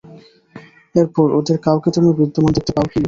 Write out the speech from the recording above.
এরপর ওদের কাউকে তুমি বিদ্যমান দেখতে পাও কি?